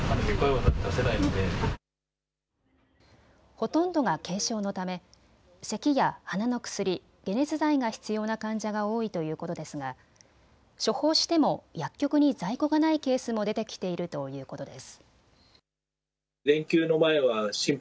ほとんどが軽症のためせきや鼻の薬、解熱剤が必要な患者が多いということですが処方しても薬局に在庫がないケースも出てきているということです。